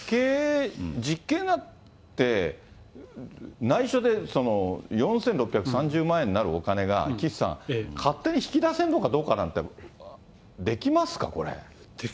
実刑になって内緒で４６３０万円なるお金が岸さん、勝手に引き出せるのかどうかなんて、できますか、これ。